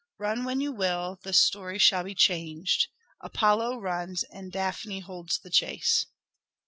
Run when you will, the story shall be changed ; Apollo runs and Daphne holds the chase."